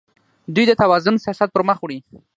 دوی د توازن سیاست پرمخ وړي.